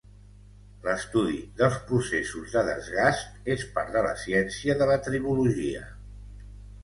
L'estudi dels processos de desgast és part de la ciència de la tribologia.